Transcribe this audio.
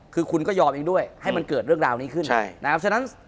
คุณผู้ชมบางท่าอาจจะไม่เข้าใจที่พิเตียร์สาร